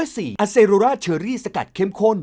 อาคสีโลร่าเชอรี่สกัดเข้มค่น